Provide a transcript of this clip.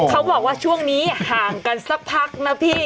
เขาบอกว่าช่วงนี้ห่างกันสักพักนะพี่